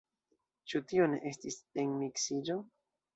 Ĉu tio ne estis enmiksiĝo?